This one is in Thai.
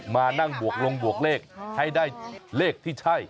มานั่งบวกลงบวกเลขให้ได้เลขที่ใช่